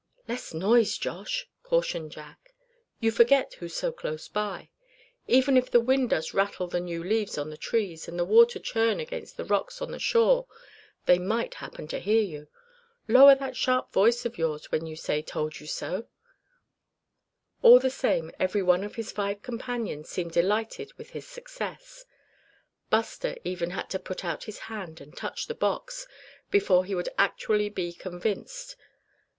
"Less noise, Josh!" cautioned Jack, "you forget who's so close by. Even if the wind does rattle the new leaves on the trees, and the water churn against the rocks on the shore, they might happen to hear you. Lower that sharp voice of yours when you say 'Told you so'!" All the same every one of his five companions seemed delighted with his success. Buster had to even put out his hand and touch the box, before he would actually be convinced.